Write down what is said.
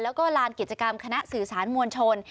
แล้วก็ลานกิจกรรมคณะสื่อสารมวลชน